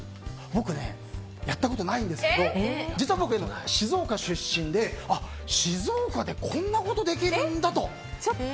僕、やったことないんですけど実は僕、静岡出身で静岡でこんなことできるんだと。